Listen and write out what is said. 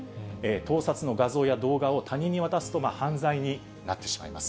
盗撮の画像や動画を他人に渡すと犯罪になってしまいます。